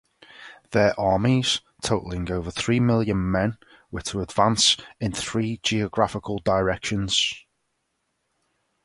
Their armies, totaling over three million men, were to advance in three geographical directions.